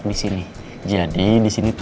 beberapa saat liat